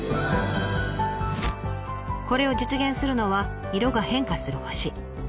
これを実現するのは色が変化する星。